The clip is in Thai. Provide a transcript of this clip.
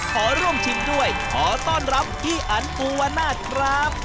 ขอร่วมชิมด้วยขอต้อนรับพี่อันภูวนาศครับ